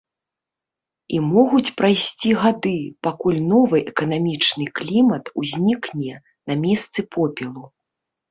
І могуць прайсці гады, пакуль новы эканамічны клімат узнікне на месцы попелу.